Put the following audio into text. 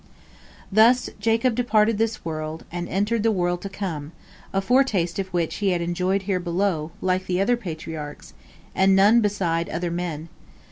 Thus Jacob departed this world, and entered the world to come, a foretaste of which he had enjoyed here below, like the other two Patriarchs, and none beside among men.